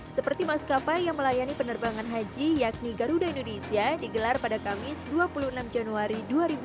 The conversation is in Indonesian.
seperti maskapai yang melayani penerbangan haji yakni garuda indonesia digelar pada kamis dua puluh enam januari dua ribu dua puluh